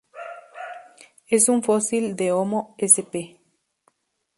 Es un fósil de "Homo" sp.